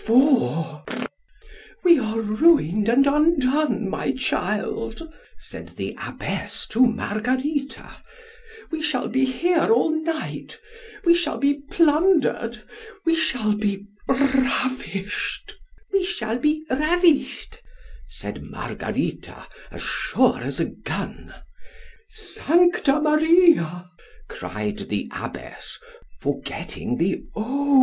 IV WE are ruin'd and undone, my child, said the abbess to Margarita,——we shall be here all night——we shall be plunder'd——we shall be ravished—— ——We shall be ravish'd, said Margarita, as sure as a gun. Sancta Maria! cried the abbess (forgetting the _O!